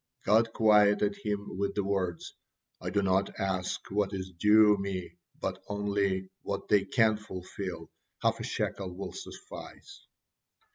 God quieted him with the words, "I do not ask what is due Me, but only what they can fulfil, half a shekel will suffice."